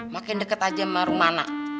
makin deket aja sama rumah anak